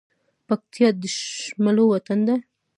پکتيا د شملو وطن ده